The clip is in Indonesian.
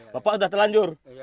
bapak sudah terlanjur